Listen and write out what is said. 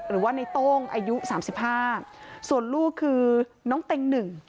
หรือว่าในโต้งอายุสามสิบห้าส่วนลูกคือน้องเต็งหนึ่ง